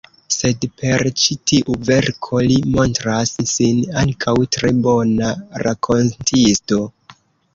Sed per ĉi tiu verko, li montras sin ankaŭ tre bona rakontisto.